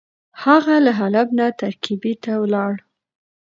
هغه له حلب نه ترکیې ته ولاړ.